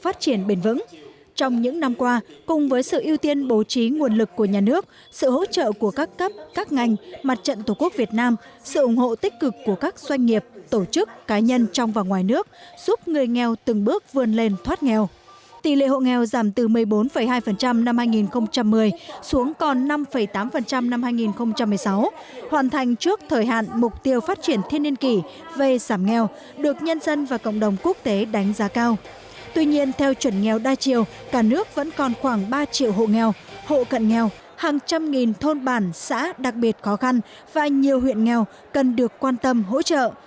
tuy nhiên theo chuẩn nghèo đa triều cả nước vẫn còn khoảng ba triệu hộ nghèo hộ cận nghèo hàng trăm nghìn thôn bản xã đặc biệt khó khăn và nhiều huyện nghèo cần được quan tâm hỗ trợ